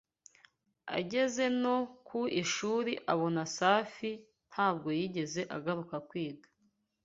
ageze no ku ishuri abona safi ntabwo yigeze agaruka kwiga